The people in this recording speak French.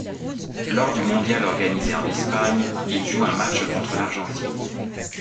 Lors du mondial organisé en Espagne, il joue un match contre l'Argentine.